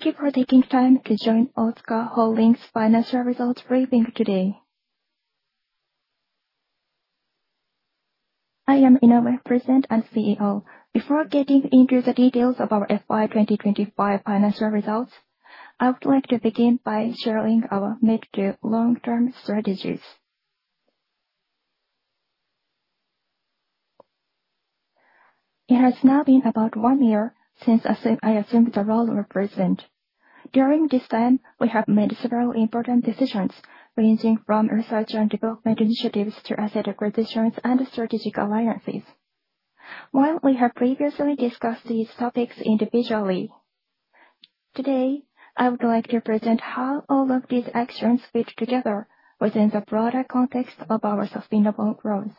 Thank you for taking time to join Otsuka Holdings financial results briefing today. I am Inoue, President and CEO. Before getting into the details of our FY 2025 financial results, I would like to begin by sharing our mid-to-long-term strategies. It has now been about one year since I assumed the role of President. During this time, we have made several important decisions, ranging from research and development initiatives to asset acquisitions and strategic alliances. While we have previously discussed these topics individually, today, I would like to present how all of these actions fit together within the broader context of our sustainable growth.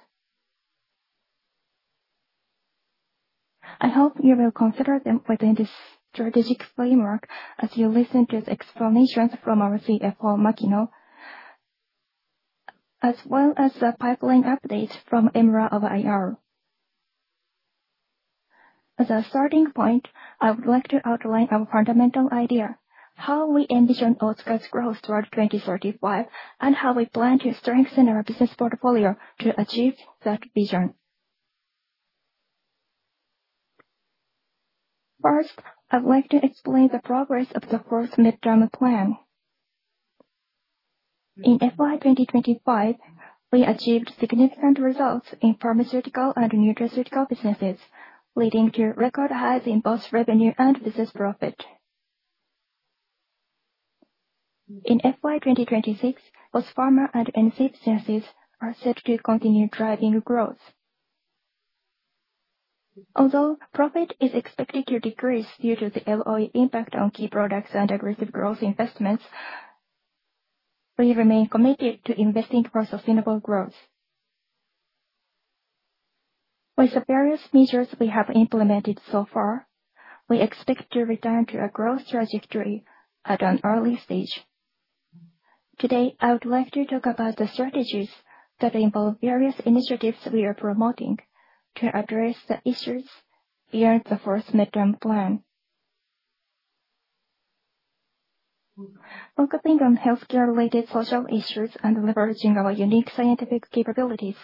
I hope you will consider them within this strategic framework as you listen to the explanations from our CFO, Makino, as well as the pipeline updates from Imra of IR. As a starting point, I would like to outline our fundamental idea, how we envision Otsuka's growth toward 2035, and how we plan to strengthen our business portfolio to achieve that vision. First, I would like to explain the progress of the fourth midterm plan. In FY 2025, we achieved significant results in pharmaceutical and nutraceutical businesses, leading to record highs in both revenue and business profit. In FY 2026, both pharma and NC businesses are set to continue driving growth. Although profit is expected to decrease due to the LOE impact on key products and aggressive growth investments, we remain committed to investing for sustainable growth. With the various measures we have implemented so far, we expect to return to a growth trajectory at an early stage. Today, I would like to talk about the strategies that involve various initiatives we are promoting to address the issues beyond the fourth midterm plan. Focusing on healthcare-related social issues and leveraging our unique scientific capabilities,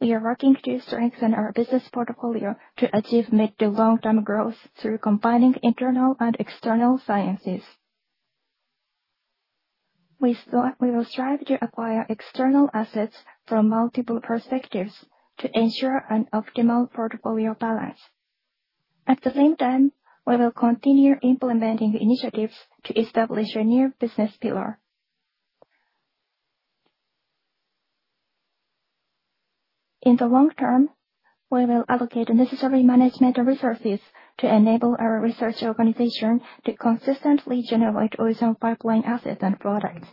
we are working to strengthen our business portfolio to achieve mid-to-long-term growth through combining internal and external sciences. We will strive to acquire external assets from multiple perspectives to ensure an optimal portfolio balance. At the same time, we will continue implementing initiatives to establish a new business pillar. In the long term, we will allocate necessary management resources to enable our research organization to consistently generate original pipeline assets and products.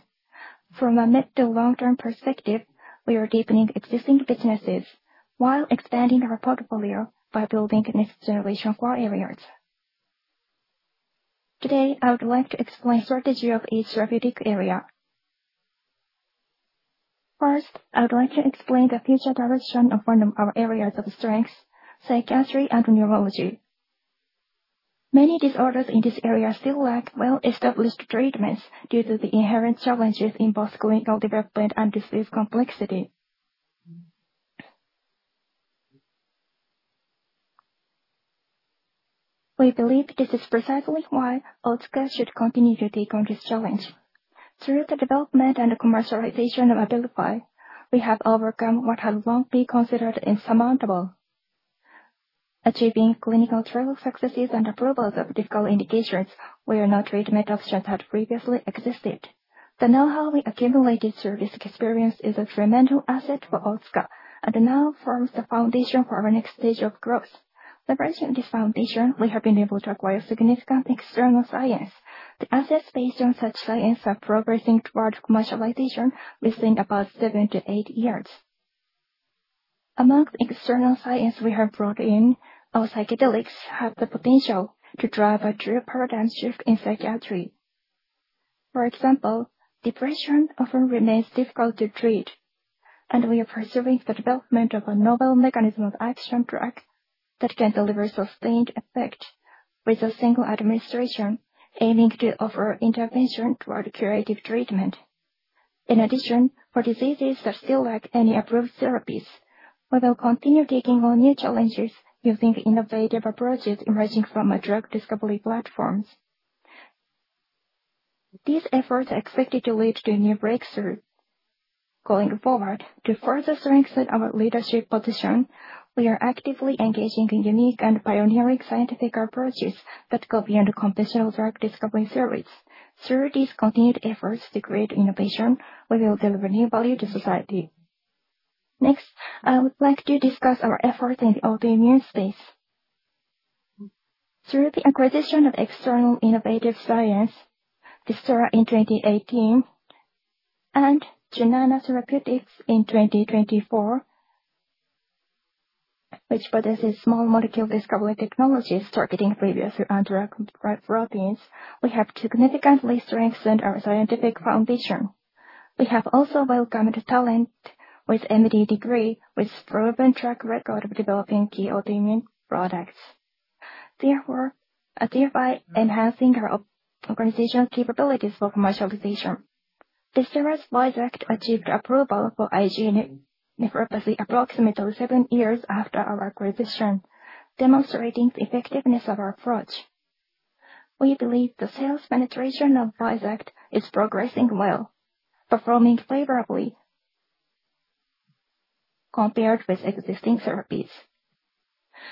From a mid-to-long-term perspective, we are deepening existing businesses while expanding our portfolio by building next-generation core areas. Today, I would like to explain strategy of each therapeutic area. First, I would like to explain the future direction of one of our areas of strength, psychiatry and neurology. Many disorders in this area still lack well-established treatments due to the inherent challenges in both clinical development and disease complexity. We believe this is precisely why Otsuka should continue to take on this challenge. Through the development and commercialization of ABILIFY, we have overcome what had long been considered insurmountable, achieving clinical trial successes and approvals of difficult indications where no treatment options had previously existed. The know-how we accumulated through this experience is a fundamental asset for Otsuka, and now forms the foundation for our next stage of growth. Leveraging this foundation, we have been able to acquire significant external science. The assets based on such science are progressing toward commercialization within about seven to eight years. Among the external science we have brought in, our psychedelics have the potential to drive a true paradigm shift in psychiatry. For example, depression often remains difficult to treat, and we are pursuing the development of a novel mechanism of action drug that can deliver sustained effect with a single administration, aiming to offer intervention toward curative treatment. In addition, for diseases that still lack any approved therapies, we will continue taking on new challenges using innovative approaches emerging from our drug discovery platforms. These efforts are expected to lead to a new breakthrough. Going forward, to further strengthen our leadership position, we are actively engaging in unique and pioneering scientific approaches that go beyond conventional drug discovery service. Through these continued efforts to create innovation, we will deliver new value to society. Next, I would like to discuss our effort in the autoimmune space. Through the acquisition of external innovative science, Visterra in 2018, and Jnana Therapeutics in 2024, which possesses small molecule discovery technologies targeting previously undruggable proteins. We have significantly strengthened our scientific foundation. We have also welcomed talent with an M.D. degree, with a proven track record of developing key autoimmune products, thereby enhancing our organization's capabilities for commercialization. This year's VOYXACT achieved approval for IgA nephropathy approximately 7 years after our acquisition, demonstrating the effectiveness of our approach. We believe the sales penetration of VOYXACT is progressing well, performing favorably compared with existing therapies.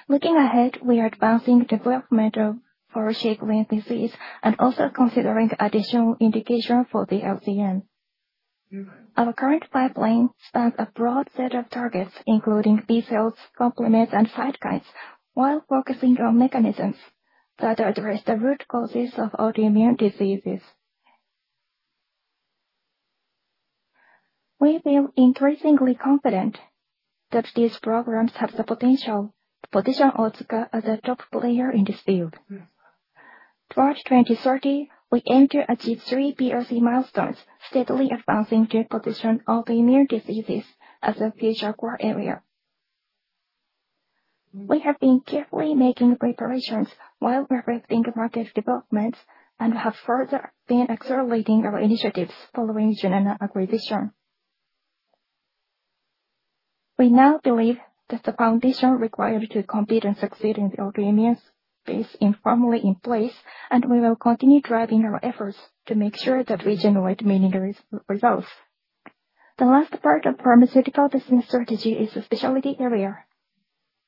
Looking ahead, we are advancing development for Sjögren's disease and also considering additional indication for the LCN. Our current pipeline spans a broad set of targets, including B cells, complements, and cytokines, while focusing on mechanisms that address the root causes of autoimmune diseases. We feel increasingly confident that these programs have the potential to position Otsuka as a top player in this field. Towards 2030, we aim to achieve three POC milestones, steadily advancing to position autoimmune diseases as a future core area. We have been carefully making preparations while reflecting market developments and have further been accelerating our initiatives following Jnana acquisition. We now believe that the foundation required to compete and succeed in the autoimmune space is firmly in place, and we will continue driving our efforts to make sure that we generate meaningful results. The last part of pharmaceutical business strategy is the specialty area.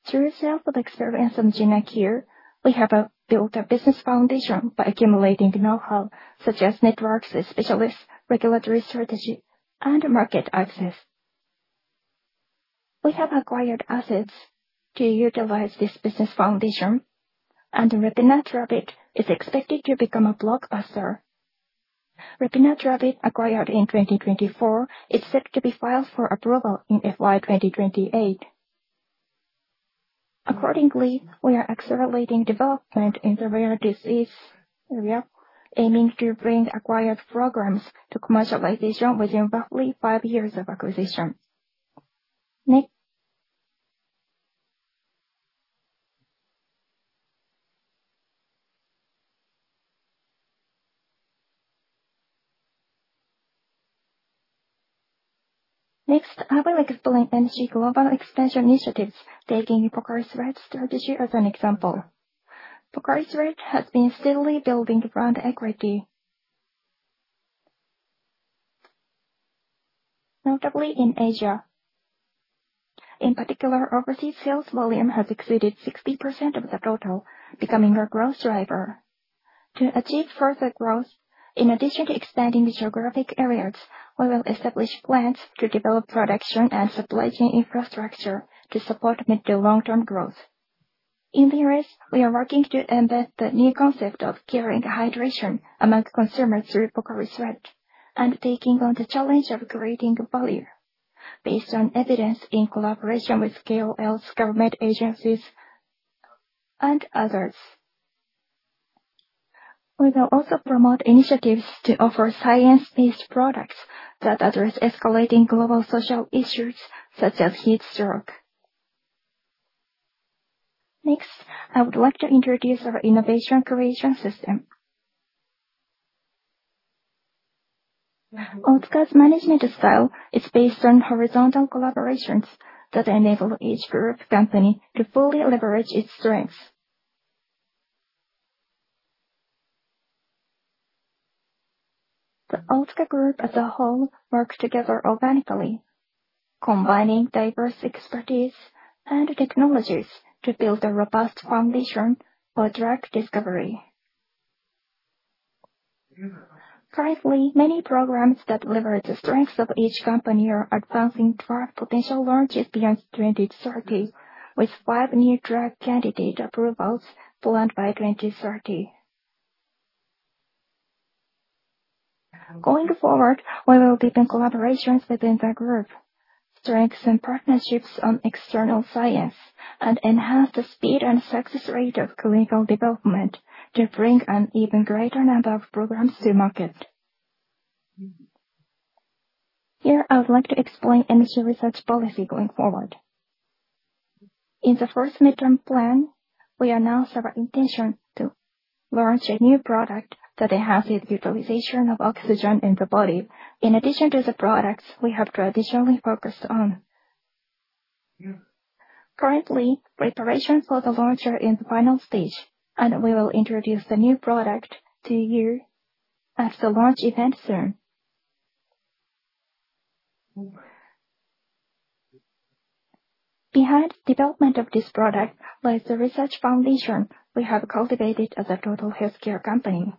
Through sale of experience on Genpact, we have built a business foundation by accumulating the knowhow, such as networks with specialists, regulatory strategy, and market access. We have acquired assets to utilize this business foundation, and repinatrabit is expected to become a blockbuster. repinatrabit, acquired in 2024, is set to be filed for approval in FY 2028. Accordingly, we are accelerating development in the rare disease area, aiming to bring acquired programs to commercialization within roughly five years of acquisition. Next, I will explain MC global expansion initiatives, taking the POCARI SWEAT strategy as an example. POCARI SWEAT has been steadily building brand equity, notably in Asia. In particular, overseas sales volume has exceeded 60% of the total, becoming our growth driver. To achieve further growth, in addition to expanding the geographic areas, we will establish plans to develop production and supply chain infrastructure to support mid-to-long term growth. In the U.S., we are working to embed the new concept of caring hydration among consumers through POCARI SWEAT, and taking on the challenge of creating value based on evidence in collaboration with KOLs, government agencies, and others. We will also promote initiatives to offer science-based products that address escalating global social issues, such as heat stroke. Next, I would like to introduce our innovation creation system. Otsuka's management style is based on horizontal collaborations that enable each group company to fully leverage its strengths. The Otsuka Group as a whole work together organically, combining diverse expertise and technologies to build a robust foundation for drug discovery. Currently, many programs that leverage the strengths of each company are advancing toward potential launches beyond 2030, with five new drug candidate approvals planned by 2030. Going forward, we will deepen collaborations within the Group, strengthen partnerships on external science, and enhance the speed and success rate of clinical development to bring an even greater number of programs to market. Here, I would like to explain NC research policy going forward. In the first midterm plan, we announced our intention to launch a new product that enhances utilization of oxygen in the body. In addition to the products we have traditionally focused on. Currently, preparation for the launch are in the final stage, and we will introduce the new product to you at the launch event soon. Behind development of this product lies the research foundation we have cultivated as a total healthcare company.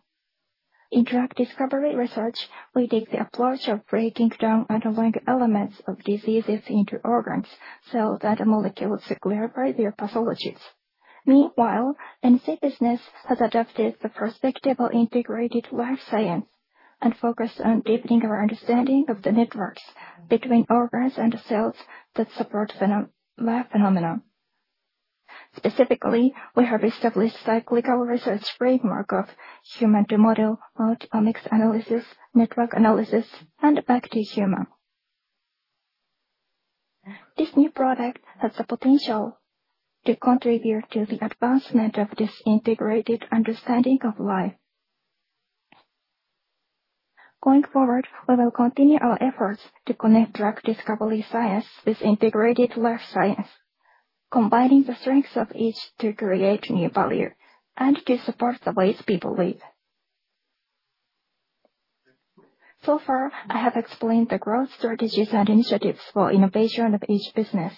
In drug discovery research, we take the approach of breaking down underlying elements of diseases into organs, cells, and molecules to clarify their pathologies. Meanwhile, NC business has adopted the prospective of integrated life science and focused on deepening our understanding of the networks between organs and cells that support life phenomena. Specifically, we have established cyclical research framework of human to model, multi-omics analysis, network analysis, and back to human. This new product has the potential to contribute to the advancement of this integrated understanding of life. Going forward, we will continue our efforts to connect drug discovery science with integrated life science, combining the strengths of each to create new value and to support the ways people live. So far, I have explained the growth strategies and initiatives for innovation of each business.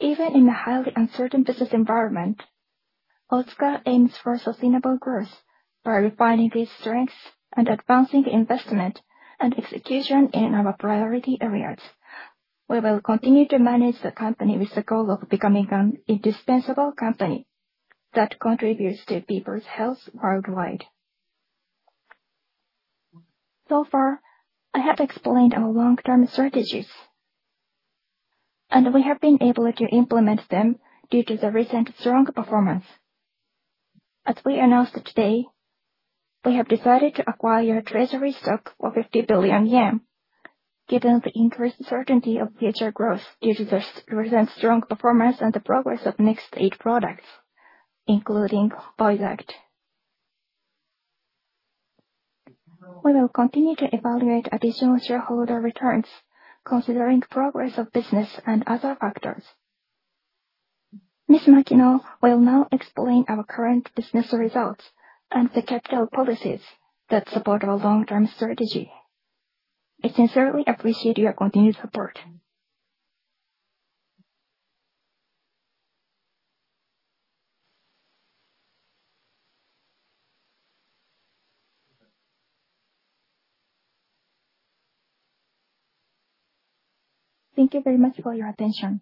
Even in the highly uncertain business environment, Otsuka aims for sustainable growth by refining these strengths and advancing investment and execution in our priority areas. We will continue to manage the company with the goal of becoming an indispensable company that contributes to people's health worldwide. So far, I have explained our long-term strategies, and we have been able to implement them due to the recent strong performance. As we announced today, we have decided to acquire treasury stock of 50 billion yen, given the increased certainty of future growth due to the recent strong performance and the progress of next eight products, including VOYXACT. We will continue to evaluate additional shareholder returns considering progress of business and other factors. Ms. Makino will now explain our current business results and the capital policies that support our long-term strategy. I sincerely appreciate your continued support. Thank you very much for your attention.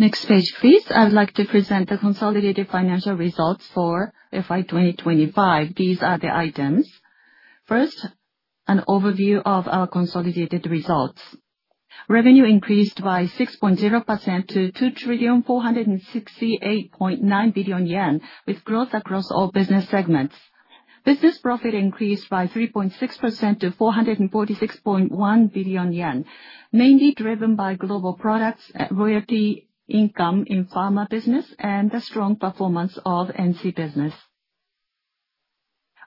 Next page, please. I would like to present the consolidated financial results for FY 2025. These are the items. First, an overview of our consolidated results. Revenue increased by 6.0% to 2,468.9 billion yen, with growth across all business segments. Business profit increased by 3.6% to 446.1 billion yen, mainly driven by global products, royalty income in pharma business, and the strong performance of NC business.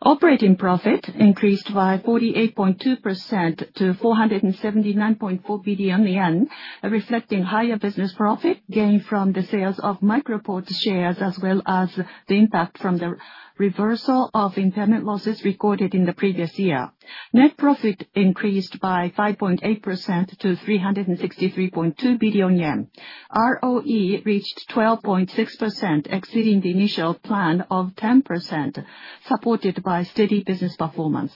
Operating profit increased by 48.2% to 479.4 billion yen, reflecting higher business profit gained from the sales of MicroPort shares, as well as the impact from the reversal of impairment losses recorded in the previous year. Net profit increased by 5.8% to 363.2 billion yen. ROE reached 12.6%, exceeding the initial plan of 10%, supported by steady business performance.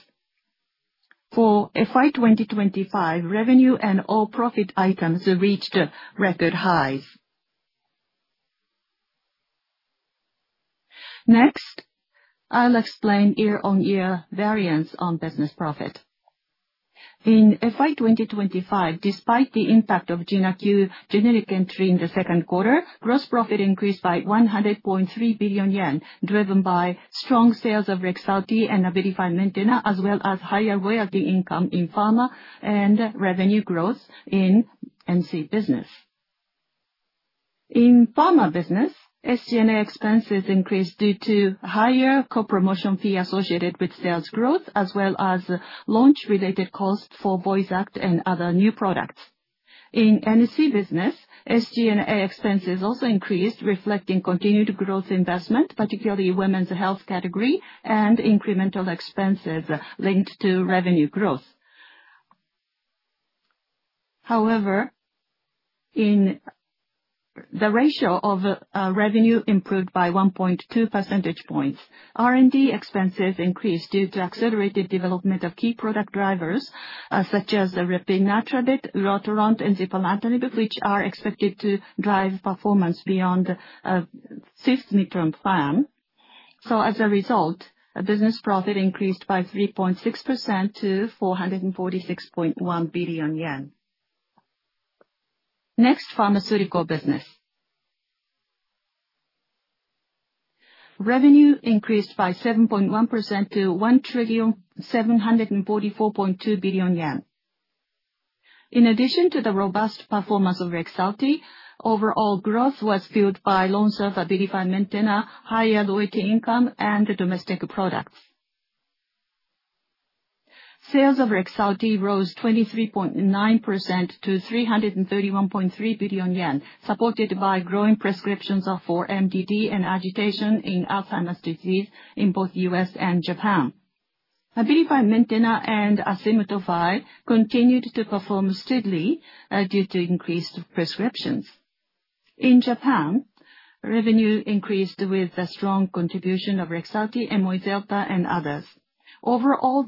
For FY 2025, revenue and all profit items reached record highs. Next, I'll explain year-on-year variance on business profit. In FY 2025, despite the impact of JYNARQUE generic entry in the second quarter, gross profit increased by 100.3 billion yen, driven by strong sales of REXULTI and ABILIFY MAINTENA, as well as higher royalty income in pharma and revenue growth in NC business. In pharma business, SG&A expenses increased due to higher co-promotion fee associated with sales growth, as well as launch-related costs for VOYXACT and other new products. In NC business, SG&A expenses also increased, reflecting continued growth investment, particularly For Women's Health category, and incremental expenses linked to revenue growth. However, the ratio of revenue improved by 1.2 percentage points. R&D expenses increased due to accelerated development of key product drivers such as repinatrabit, ulotaront, and zipalertinib, which are expected to drive performance beyond fifth midterm plan. As a result, business profit increased by 3.6% to 446.1 billion yen. Next, pharmaceutical business. Revenue increased by 7.1% to 1,744.2 billion yen. In addition to the robust performance of REXULTI, overall growth was fueled by launches of ABILIFY MAINTENA, higher royalty income, and domestic products. Sales of REXULTI rose 23.9% to 331.3 billion yen, supported by growing prescriptions for MDD and agitation in Alzheimer's disease in both U.S. and Japan. ABILIFY MAINTENA and ASIMTUFII continued to perform steadily due to increased prescriptions. In Japan, revenue increased with the strong contribution of REXULTI, Moy delta, and others. Overall,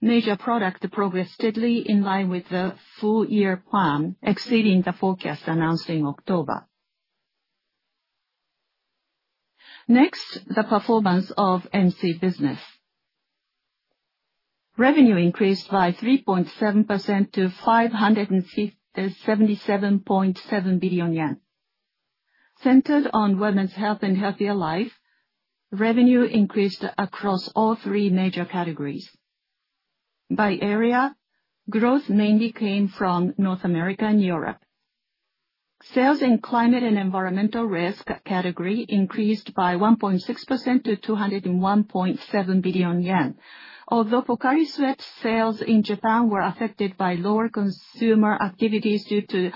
major product progressed steadily in line with the full year plan, exceeding the forecast announced in October. Next, the performance of NC business. Revenue increased by 3.7% to 577.7 billion yen. Centered on For Women's Health and For Healthier Life, revenue increased across all three major categories. By area, growth mainly came from North America and Europe. Sales in climate and environmental risk category increased by 1.6% to 201.7 billion yen. Although POCARI SWEAT sales in Japan were affected by lower consumer activities due to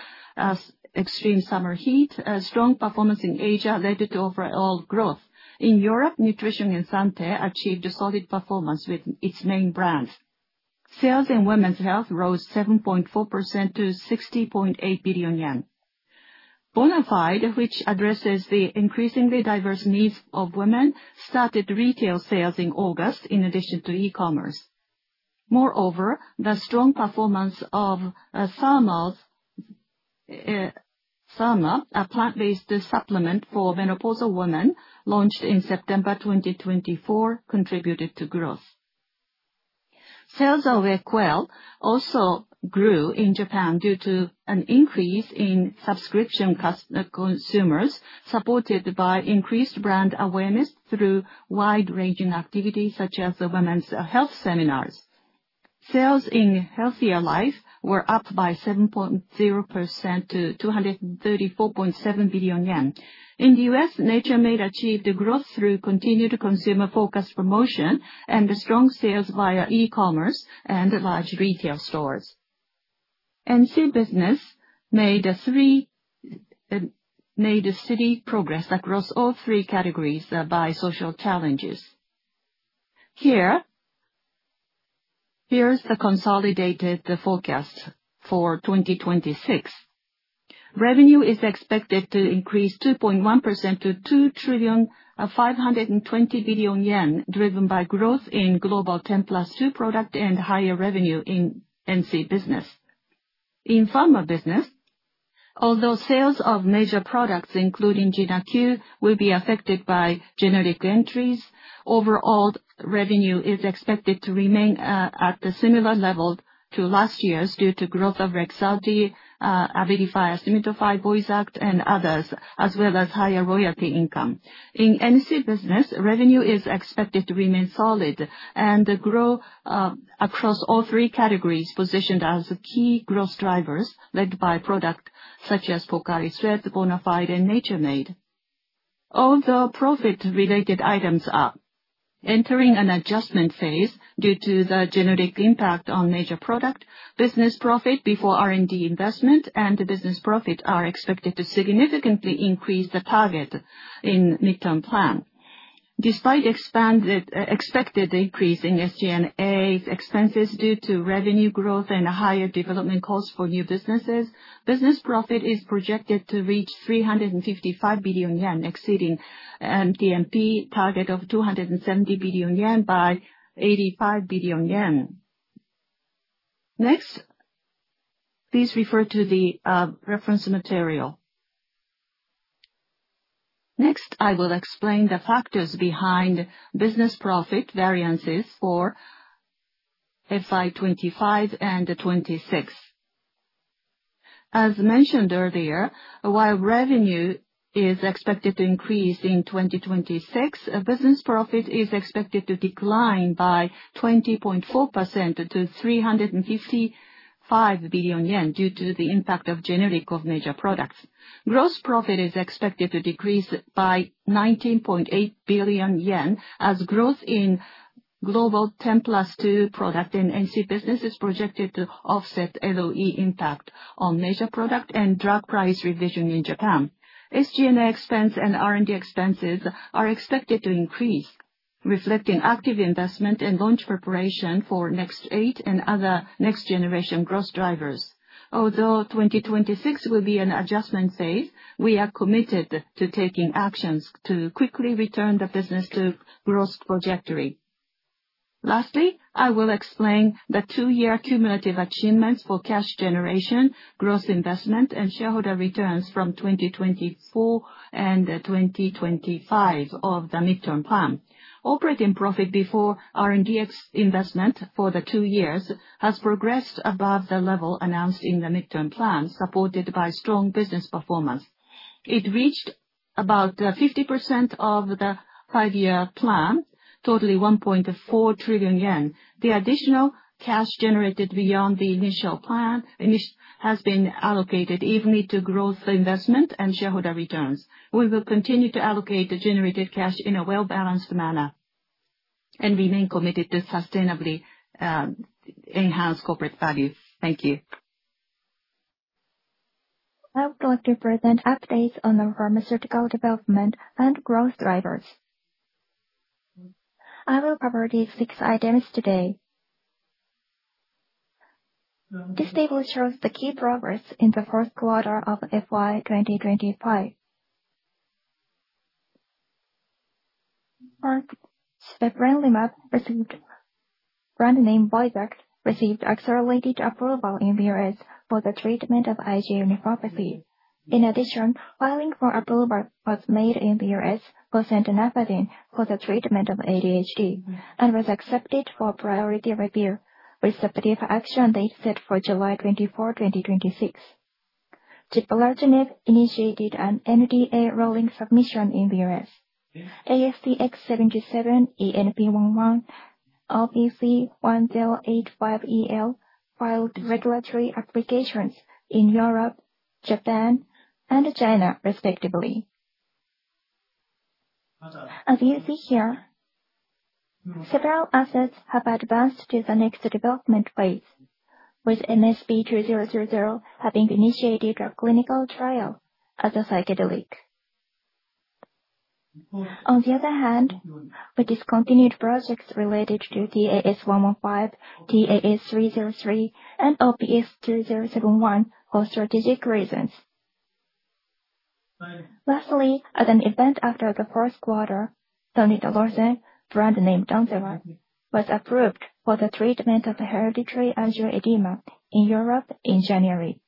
extreme summer heat, strong performance in Asia led to overall growth. In Europe, Nutrition & Santé achieved a solid performance with its main brands. Sales in For Women's Health rose 7.4% to 60.8 billion yen. Bonafide, which addresses the increasingly diverse needs of women, started retail sales in August in addition to e-commerce. Moreover, the strong performance of Thermella, a plant-based supplement for menopausal women launched in September 2024, contributed to growth. Sales of EQUELLE also grew in Japan due to an increase in subscription consumers, supported by increased brand awareness through wide-ranging activities such as the For Women's Health seminars. Sales in For Healthier Life were up by 7.0% to 234.7 billion yen. In the U.S., Nature Made achieved growth through continued consumer-focused promotion and strong sales via e-commerce and large retail stores. NC business made steady progress across all three categories by social challenges. Here is the consolidated forecast for 2026. Revenue is expected to increase 2.1% to 2 trillion, 520 billion, driven by growth in Global 10 Plus 2 product and higher revenue in NC business. In pharma business, although sales of major products including JYNARQUE will be affected by generic entries, overall revenue is expected to remain at the similar level to last year's due to growth of REXULTI, ABILIFY, Arimidex, VOYXACT, and others, as well as higher royalty income. In NC business, revenue is expected to remain solid and grow across all three categories positioned as key growth drivers, led by product such as POCARI SWEAT, Bonafide, and Nature Made. Although profit-related items are entering an adjustment phase due to the generic impact on major product, business profit before R&D investment and business profit are expected to significantly increase the target in midterm plan. Despite expected increase in SG&A expenses due to revenue growth and higher development costs for new businesses, business profit is projected to reach 355 billion yen, exceeding MTMP target of 270 billion yen by 85 billion yen. Next, please refer to the reference material. Next, I will explain the factors behind business profit variances for FY 2025 and 2026. As mentioned earlier, while revenue is expected to increase in 2026, business profit is expected to decline by 20.4% to 355 billion yen due to the impact of generic of major products. Gross profit is expected to decrease by 19.8 billion yen as growth in Global 10 Plus 2 product and NC business is projected to offset LOE impact on major product and drug price revision in Japan. SG&A expense and R&D expenses are expected to increase, reflecting active investment and launch preparation for next eight and other next generation growth drivers. Although 2026 will be an adjustment phase, we are committed to taking actions to quickly return the business to growth trajectory. Lastly, I will explain the 2-year cumulative achievements for cash generation, gross investment, and shareholder returns from 2024 and 2025 of the midterm plan. Operating profit before R&D investment for the 2 years has progressed above the level announced in the midterm plan, supported by strong business performance. It reached about 50% of the 5-year plan, totaling 1.4 trillion yen. The additional cash generated beyond the initial plan has been allocated evenly to growth investment and shareholder returns. We will continue to allocate the generated cash in a well-balanced manner and remain committed to sustainably enhance corporate value. Thank you. I would like to present updates on the pharmaceutical development and growth drivers. I will cover these 6 items today. This table shows the key progress in Q4 of FY 2025. First, the sibeprenlimab, brand name VOYXACT, received Accelerated Approval in the U.S. for the treatment of IgA nephropathy. In addition, filing for approval was made in the U.S. for centanafadine for the treatment of ADHD, and was accepted for Priority Review, with substantive action date set for July 24, 2026. Zipalertinib initiated an NDA rolling submission in the U.S. ASTG-77, ENP-11, OPC-1085EL filed regulatory applications in Europe, Japan, and China respectively. As you see here, several assets have advanced to the next development phase. With MSP-1014 having initiated a clinical trial as a psychedelic. On the other hand, we discontinued projects related to TAS-115, TAS-303, and OPS-2071 for strategic reasons. Lastly, as an event after Q1, donidalorsen, brand name DAWNZERA, was approved for the treatment of hereditary angioedema in Europe in January.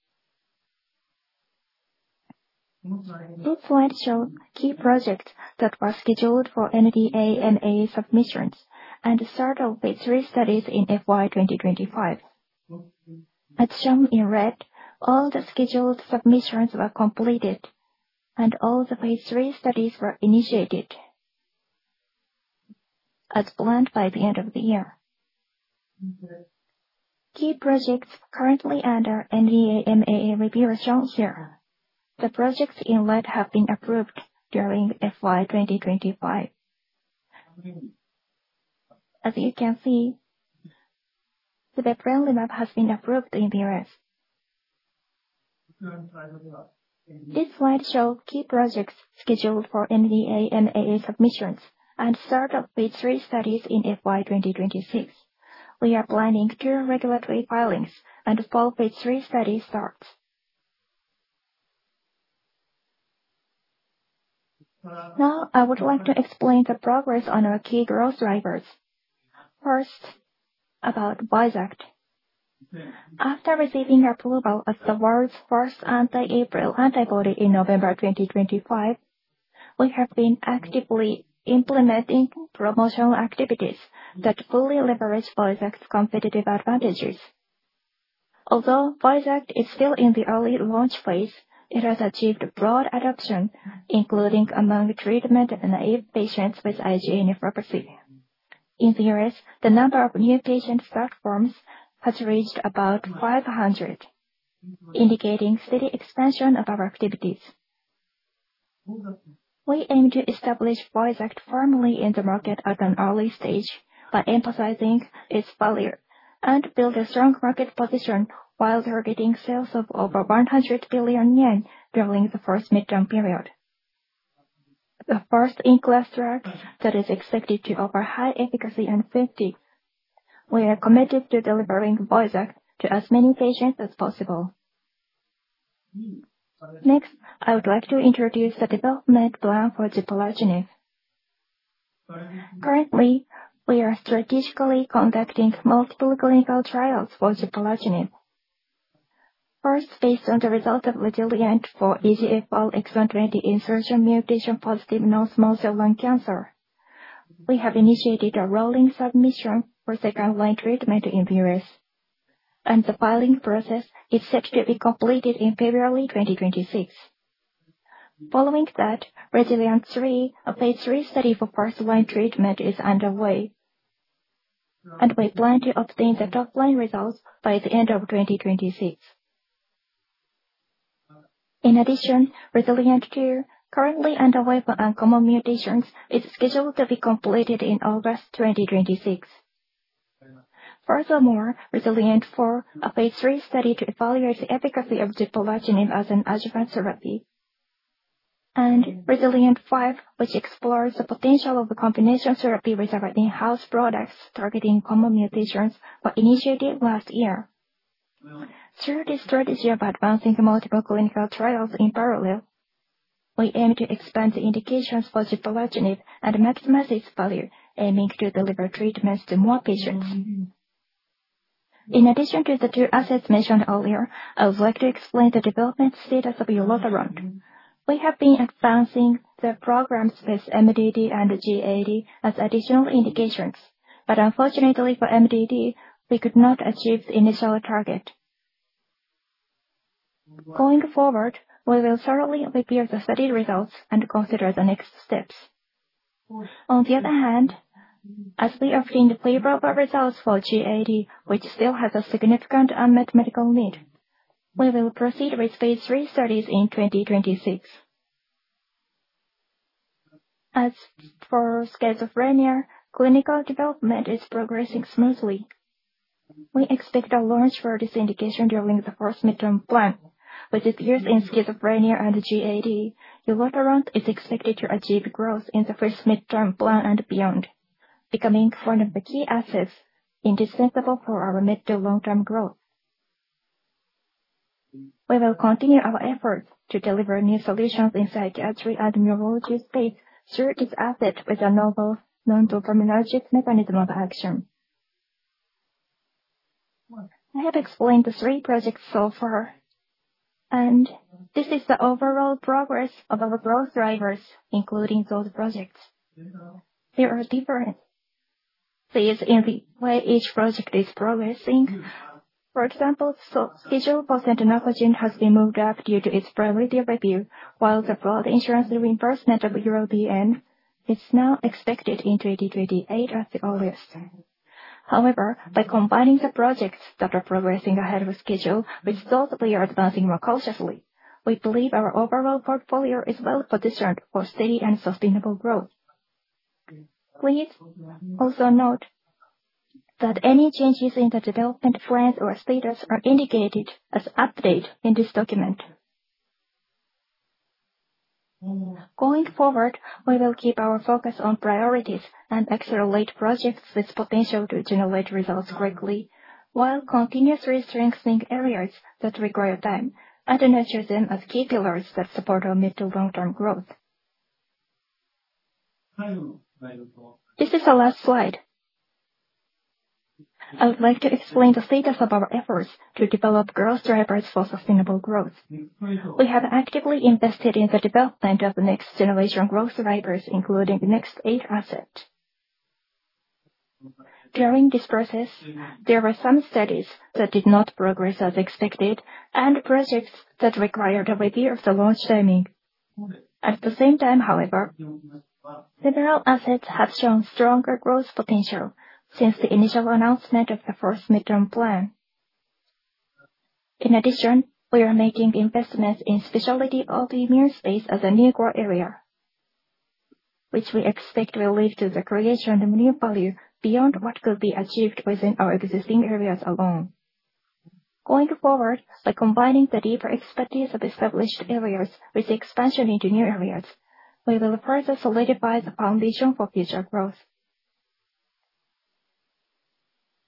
This slide shows key projects that were scheduled for NDA and AA submissions, and the start of phase III studies in FY 2025. As shown in red, all the scheduled submissions were completed, and all the phase III studies were initiated. As planned by the end of the year. Key projects currently under NDA MAA review are shown here. The projects in red have been approved during FY 2025. As you can see, the sibeprenlimab has been approved in the U.S. This slide shows key projects scheduled for NDA and AA submissions and start of phase III studies in FY 2026. We are planning 2 regulatory filings and 4 phase III study starts. I would like to explain the progress on our key growth drivers. First, about VOYXACT. After receiving approval as the world's first anti-APRIL antibody in November 2025, we have been actively implementing promotional activities that fully leverage VOYXACT's competitive advantages. Although VOYXACT is still in the early launch phase, it has achieved broad adoption, including among treatment-naive patients with IgA nephropathy. In the U.S., the number of new patient platforms has reached about 500, indicating steady expansion of our activities. We aim to establish VOYXACT firmly in the market at an early stage by emphasizing its value, and build a strong market position while targeting sales of over 100 billion yen during the first midterm period. The first-in-class drug that is expected to offer high efficacy and safety. We are committed to delivering VOYXACT to as many patients as possible. I would like to introduce the development plan for zipalertinib. Currently, we are strategically conducting multiple clinical trials for zipalertinib. First, based on the result of REZILIENT for EGFR exon 20 insertion mutation-positive non-small cell lung cancer, we have initiated a rolling submission for second-line treatment in the U.S., and the filing process is set to be completed in February 2026. Following that, REZILIENT3, a phase III study for first-line treatment is underway. We plan to obtain the top-line results by the end of 2026. In addition, REZILIENT2, currently underway for uncommon mutations, is scheduled to be completed in August 2026. Furthermore, REZILIENT4, a phase III study to evaluate the efficacy of zipalertinib as an adjuvant therapy. REZILIENT5, which explores the potential of a combination therapy with our in-house products targeting common mutations, were initiated last year. Through this strategy of advancing multiple clinical trials in parallel, we aim to expand the indications for ziprasidone and maximize its value, aiming to deliver treatments to more patients. In addition to the two assets mentioned earlier, I would like to explain the development status of ulotaront. We have been advancing the programs with MDD and GAD as additional indications, but unfortunately for MDD, we could not achieve the initial target. Going forward, we will thoroughly review the study results and consider the next steps. On the other hand, as we obtained the favorable results for GAD, which still has a significant unmet medical need, we will proceed with phase III studies in 2026. As for schizophrenia, clinical development is progressing smoothly. We expect a launch for this indication during the first midterm plan. With its use in schizophrenia and GAD, ulotaront is expected to achieve growth in the first midterm plan and beyond. Becoming one of the key assets indispensable for our mid-to-long-term growth. We will continue our efforts to deliver new solutions in psychiatry and neurology space through this asset with a novel non-dopaminergic mechanism of action. I have explained the three projects so far, and this is the overall progress of our growth drivers, including those projects. There are differences in the way each project is progressing. For example, VOYXACT and DAWNZERA has been moved up due to its Priority Review, while the broad insurance reimbursement of JYNARQUE is now expected in 2028 at the earliest. However, by combining the projects that are progressing ahead of schedule with those that we are advancing more cautiously, we believe our overall portfolio is well-positioned for steady and sustainable growth. Please also note that any changes in the development plans or status are indicated as Update in this document. Going forward, we will keep our focus on priorities and accelerate projects with potential to generate results quickly, while continuously strengthening areas that require time, and nurture them as key pillars that support our mid-to-long-term growth. This is our last slide. I would like to explain the status of our efforts to develop growth drivers for sustainable growth. We have actively invested in the development of the next-generation growth drivers, including the next eight assets. During this process, there were some studies that did not progress as expected and projects that required a review of the launch timing. At the same time, however, several assets have shown stronger growth potential since the initial announcement of the first midterm plan. In addition, we are making investments in specialty autoimmune space as a new core area, which we expect will lead to the creation of new value beyond what could be achieved within our existing areas alone. Going forward, by combining the deeper expertise of established areas with expansion into new areas, we will further solidify the foundation for future growth.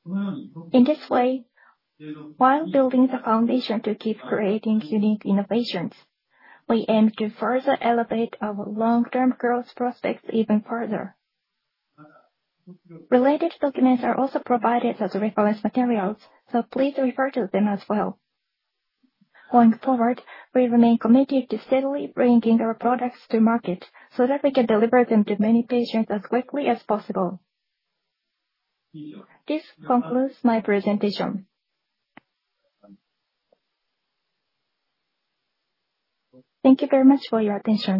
In this way, while building the foundation to keep creating unique innovations, we aim to further elevate our long-term growth prospects even further. Related documents are also provided as reference materials, so please refer to them as well. Going forward, we remain committed to steadily bringing our products to market so that we can deliver them to many patients as quickly as possible. This concludes my presentation. Thank you very much for your attention.